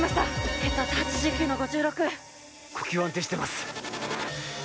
血圧８９の５６呼吸安定してます